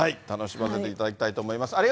楽しませていただきたいと思います。